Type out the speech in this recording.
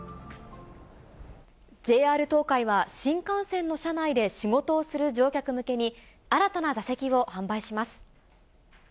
ＪＲ東海は、新幹線の車内で仕事をする乗客向けに、新たな座席を販売します。